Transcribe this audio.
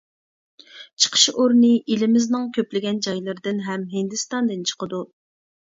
چىقىش ئورنى ئېلىمىزنىڭ كۆپلىگەن جايلىرىدىن ھەم ھىندىستاندىن چىقىدۇ.